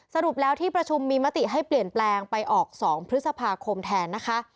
สรุปแล้วที่ประชุมมีมติให้เปลี่ยนแปลงไปออก๒พฤษภาคมแทนนะคะ